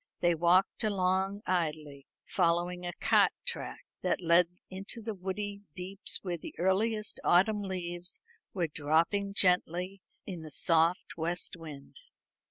They walked along idly, following a cart track that led into the woody deeps where the earliest autumn leaves were dropping gently in the soft west wind.